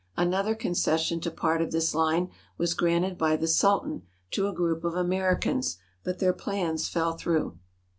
Another concession to part of this line was granted by the Sultan to a group of Americans, but their plans fell through.